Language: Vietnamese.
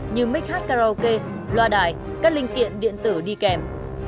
như mic hát karaoke loa đài các linh kiện điện tử đi kèm